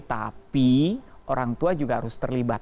tapi orang tua juga harus terlibat